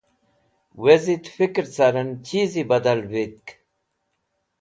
Wezit fikẽr caren chizi badal vitk,.